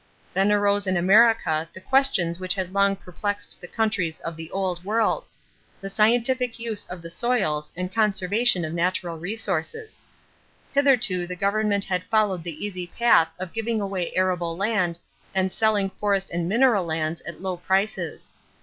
Then arose in America the questions which had long perplexed the countries of the Old World the scientific use of the soils and conservation of natural resources. Hitherto the government had followed the easy path of giving away arable land and selling forest and mineral lands at low prices.